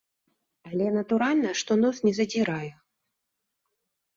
Але, натуральна, што нос не задзіраю.